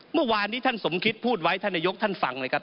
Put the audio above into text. เมื่อวานนี้ท่านสมคิดพูดไว้ท่านนายกท่านฟังเลยครับ